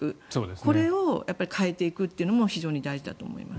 これを変えていくというのも非常に大事だと思います。